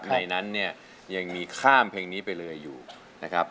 ในนั้นเนี่ยยังมีข้ามเพลงนี้ไปเลยอยู่นะครับ